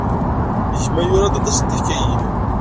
Gma yura-d aṭas n teḥkayin.